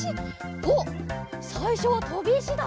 おっさいしょはとびいしだ。